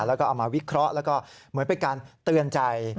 แล้วก็เอามาวิเคราะห์แล้วก็เหมือนเป็นการเตือนใจ